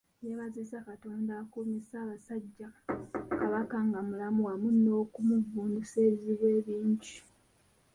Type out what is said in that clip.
Yeebazizza Katonda akuumye Ssaabasajja Kabaka nga mulamu wamu n'okumuvvunusa ebizibu ebingi.